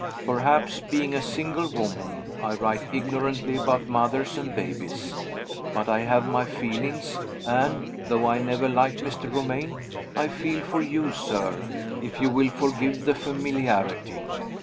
Perhaps, being a single woman, I write ignorantly about mothers and babies. But I have my feelings; and (though I never liked Mr. Romayne) I feel for you, sir if you will forgive the familiarity.